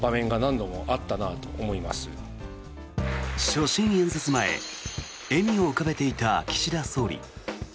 所信演説前笑みを浮かべていた岸田総理。